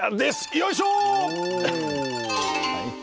よいしょ！